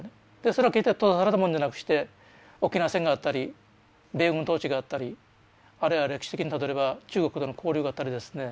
それは決して閉ざされたものじゃなくして沖縄戦があったり米軍統治があったりあるいは歴史的にたどれば中国との交流があったりですね